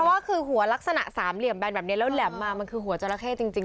เพราะว่าคือหัวลักษณะสามเหลี่ยมแบนแบบนี้แล้วแหลมมามันคือหัวจราเข้จริง